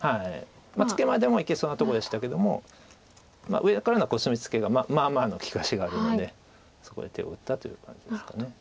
ツケまでもいけそうなとこでしたけども上からのコスミツケがまあまあの利かしがあるのでそこで手を打ったという感じですか。